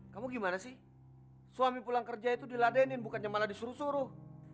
kamu gimana sih suami pulang kerja itu diladenin bukannya malah disuruh suruh